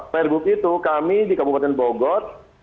per book itu kami di kabupaten bogor